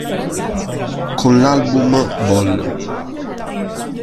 Con l'album "Vol.